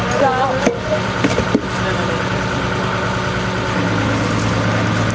สวัสดีครับ